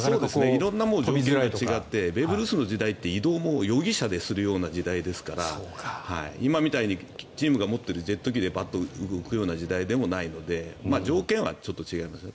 色んな条件が違ってベーブ・ルースの時代は移動も自分でする時代ですから今みたいにチームが持っているジェット機でバッと行くような時代でもないので条件はちょっと違いますね。